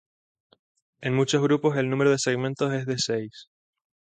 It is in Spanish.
En muchos grupos el número de segmentos es de seis.